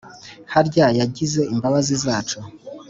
harya yagize imbabazi zacu